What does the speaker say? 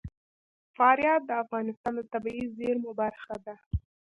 فاریاب د افغانستان د طبیعي زیرمو برخه ده.